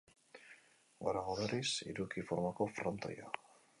Gorago, berriz, hiruki formako frontoia.